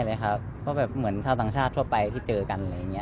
ไม่เลยครับก็แบบเหมือนชาวต่างชาติทั่วไปที่เจอกันอะไรอย่างเงี้ย